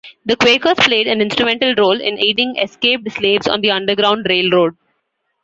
The Quakers played an instrumental role in aiding escaped slaves on the underground railroad.